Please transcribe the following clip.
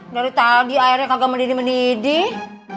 dari tadi airnya kagak mendidih medidih